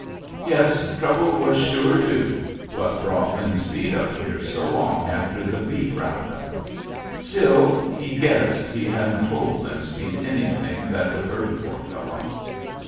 Yes, trouble was "sure due" ; what brought Lem Speed up here so long after the beef round up ? Still, he " guessed " he hadn't told Lem Speed anything that would hurt a poor fellow.